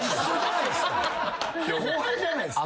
後輩じゃないっすか。